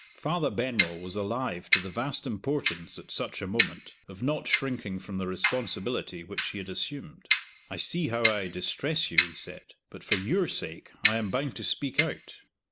Father Benwell was alive to the vast importance, at such a moment, of not shrinking from the responsibility which he had assumed. "I see how I distress you," he said; "but, for your sake, I am bound to speak out.